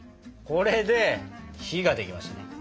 これで「日」ができましたね！